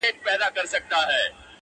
دا نجلۍ لکه شبنم درپسې ژاړي’